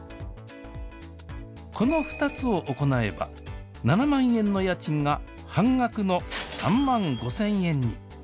この２つを行えば、７万円の家賃が半額の３万５０００円に。